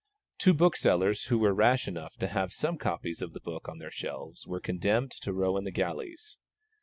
Two booksellers who were rash enough to have some copies of the book on their shelves were condemned to row in the galleys.